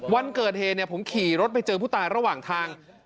วันเกิดเหตุผมขี่รถไปเจอผู้ตายระหว่างทาง